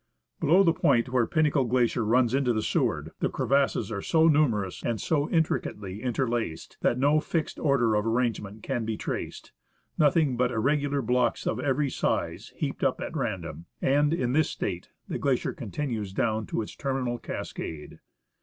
Below the point where Pinnacle Glacier runs into the Seward, the crevasses are so numerous and so intricately interlaced that no fixed order of arrangement can be traced : nothing but irre gular blocks of every size heaped up at random. And in this state the glacier continues down to its terminal cascade.